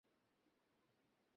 তাদেরকে কী বলবো?